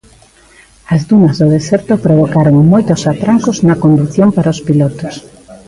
As dunas do deserto provocaron moitos atrancos na condución para os pilotos.